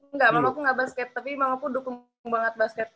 enggak mamaku gak basket tapi mamaku dukung banget basket